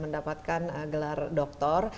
mendapatkan gelar doktor